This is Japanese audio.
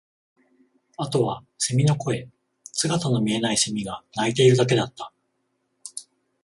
あとは蝉の声、姿の見えない蝉が鳴いているだけだった